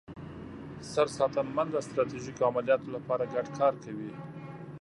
سرساتنمن د ستراتیژیکو عملیاتو لپاره ګډ کار کوي.